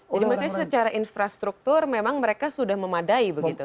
jadi maksudnya secara infrastruktur memang mereka sudah memadai begitu